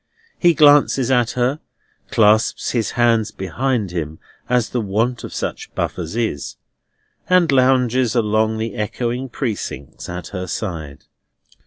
He glances at her; clasps his hands behind him, as the wont of such buffers is; and lounges along the echoing Precincts at her side.